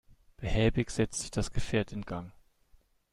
Behäbig setzt sich das Gefährt in Gang.